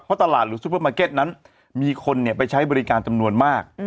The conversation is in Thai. เพราะตลาดหรือซูเปอร์มาร์เก็ตนั้นมีคนไปใช้บริการจำนวนมาก